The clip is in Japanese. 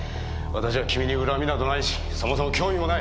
私は君に恨みなどないしそもそも興味もない。